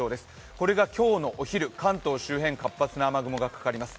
これが今日のお昼、関東周辺、活発な雨雲がかかります。